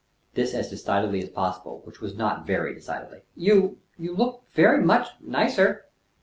This as decidedly as possible, which was not very decidedly. "You you look very much nicer."